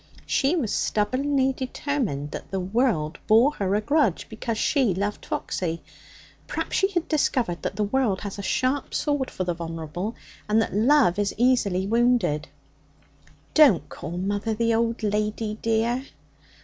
She was stubbornly determined that the world bore her a grudge because she loved Foxy. Perhaps she had discovered that the world has a sharp sword for the vulnerable, and that love is easily wounded. 'Don't call mother the old lady, dear.'